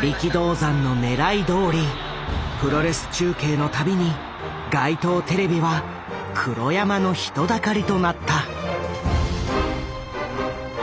力道山のねらいどおりプロレス中継の度に街頭テレビは黒山の人だかりとなった。